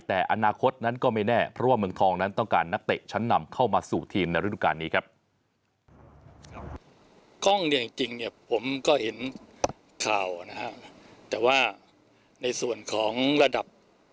แต่อนาคตนั้นก็ไม่แน่เพราะว่าเมืองทองนั้นต้องการนักเตะชั้นนำเข้ามาสู่ทีมในฤดูการนี้ครับ